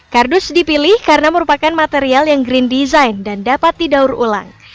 kardus dipilih karena merupakan material yang green design dan dapat didaur ulang